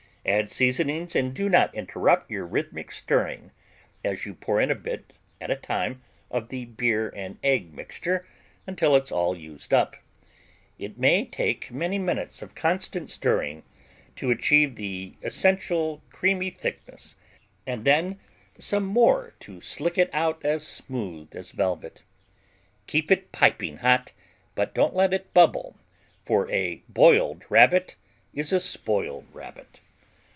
Add seasonings and do not interrupt your rhythmic stirring, as you pour in a bit at a time of the beer and egg mixture until it's all used up. It may take many minutes of constant stirring to achieve the essential creamy thickness and then some more to slick it out as smooth as velvet. Keep it piping hot but don't let it bubble, for a boiled Rabbit is a spoiled Rabbit.